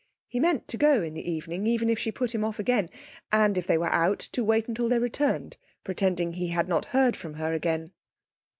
He meant to go in the evening, even if she put him off again; and, if they were out, to wait until they returned, pretending he had not heard from her again.